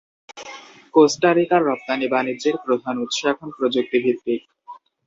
Costa রিকা’র রপ্তানি বাণিজ্যের প্রধান উৎস এখন প্রযুক্তি-ভিত্তিক।